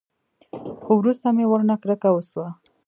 خو وروسته مې ورنه کرکه وسوه.